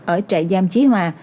ở trại giam chí hòa